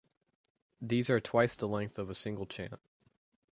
These are twice the length of a single chant.